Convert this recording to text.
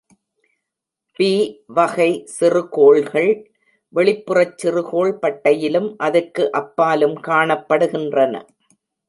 பி-வகை சிறுகோள்கள் வெளிப்புறச் சிறுகோள் பட்டையிலும் அதற்கு அப்பாலும் காணப்படுகின்றன.